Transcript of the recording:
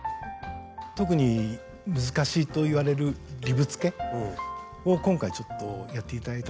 特に難しいといわれるリブつけを今回ちょっとやって頂いたんですけど。